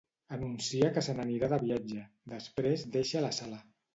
Anuncia que se n'anirà de viatge, després deixa la sala.